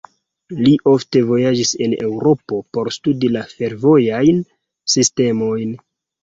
Li ofte vojaĝis en Eŭropo por studi la fervojajn sistemojn.